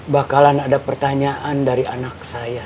bakalan ada pertanyaan dari anak saya